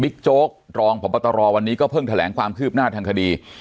บิ๊กโจ๊กรองผัวปะตะรอวันนี้ก็เพิ่งแถลงความคืบหน้าทางคดี